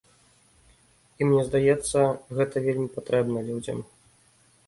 І мне здаецца, гэта вельмі патрэбна людзям.